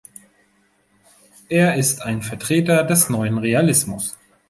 Er ist ein Vertreter des Neuen Realismus.